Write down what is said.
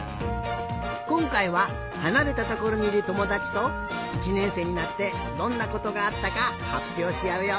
こんかいははなれたところにいるともだちと１ねんせいになってどんなことがあったかはっぴょうしあうよ。